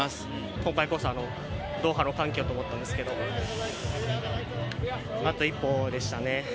今回こそドーハの歓喜をと思ったんですけどあと一歩でしたね。